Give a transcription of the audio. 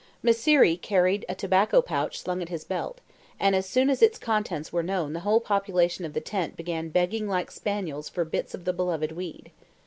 Mysseri carried a tobacco pouch slung at his belt, and as soon as its contents were known the whole population of the tent began begging like spaniels for bits of the beloved weed.